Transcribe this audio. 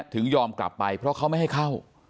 ถึงยอมกลับไปเพราะเขาไม่ให้เข้า